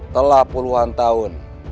telah puluhan tahun